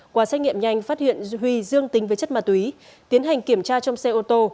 qua xét nghiệm nhanh phát hiện huy dương tính với chất ma túy tiến hành kiểm tra trong xe ô tô